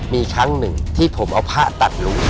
มีครั้งหนึ่งที่ผมเอาผ้าตัดลุง